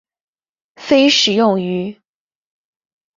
非食用鱼。